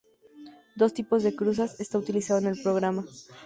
Dos tipos de cruzas está utilizado en el programa.